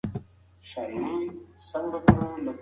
فضایي څارنې د موندلو لپاره مهمې دي.